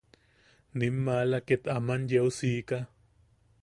Nim maala ket aman yeu siika.